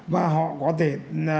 và họ có thể phê duyệt cái phương án đấy